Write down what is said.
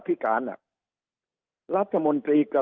สุดท้ายก็ต้านไม่อยู่